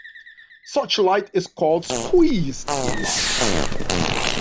Such light is called squeezed light.